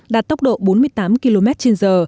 đạt tốc độ bốn mươi tám km trên giờ